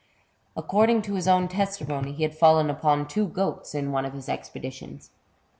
According to his own testimony, he had fallen upon two goats in one of his expeditions.